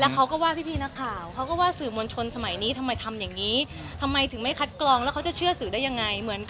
ความระวัง